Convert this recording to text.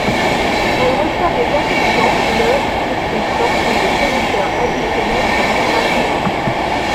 Elle reçoit des affichant le sur ses flancs et des projecteurs additionnels façon rallye.